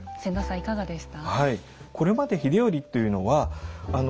いかがでした？